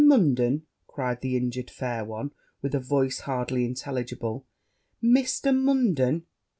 Munden!' cried the injured fair one, with a voice hardly intelligible, 'Mr. Munden!'